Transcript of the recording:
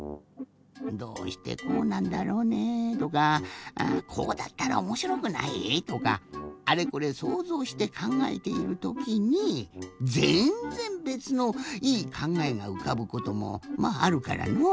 どうしてこうなんだろうね？とかこうだったらおもしろくない？とかあれこれそうぞうしてかんがえているときにぜんぜんべつのいいかんがえがうかぶこともまああるからのう。